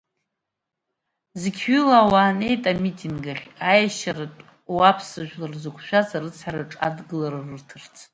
Зықьҩыла ауаа неит амитинг ахь аиашьаратә ауаԥс жәлар зықәшәаз арыцҳараҿы адгылара рырҭарц.